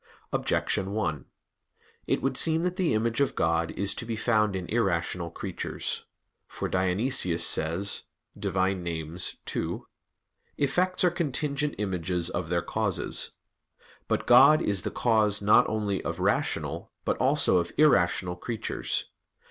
Objection 1: It would seem that the image of God is to be found in irrational creatures. For Dionysius says (Div. Nom. ii): "Effects are contingent images of their causes." But God is the cause not only of rational, but also of irrational creatures.